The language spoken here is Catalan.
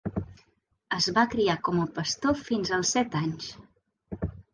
Es va criar com a pastor fins als set anys.